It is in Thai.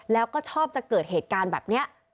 แล้วก็ชอบจะเกิดเหตุการณ์แบบนี้